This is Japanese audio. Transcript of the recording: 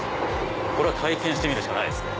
これは体験してみるしかないですね。